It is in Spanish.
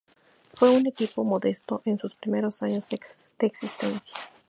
Fue un equipo modesto en sus primeros años de existencia.